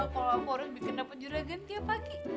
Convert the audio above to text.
kalo aku harus bikin dapet juragan tiap pagi